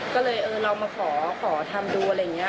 ก็เลยเออเรามาขอทำดูอะไรอย่างนี้